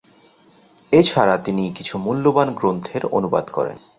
এছাড়া তিনি কিছু মূল্যবান গ্রন্থের অনুবাদ করেন।